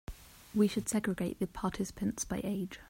We should segregate the participants by age.